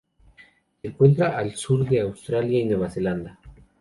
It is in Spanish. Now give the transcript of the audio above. Se encuentra al sur de Australia y Nueva Zelanda.